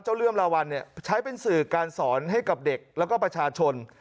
เลื่อมลาวัลใช้เป็นสื่อการสอนให้กับเด็กแล้วก็ประชาชน